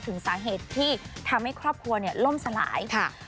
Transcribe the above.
ถึงสาเหตุที่ทำให้ครอบครัวเนี่ยล่มสลายค่ะ